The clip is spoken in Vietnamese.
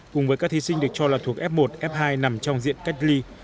cùng với các thí sinh được cho là thuộc f một f hai nằm trong diện cách ly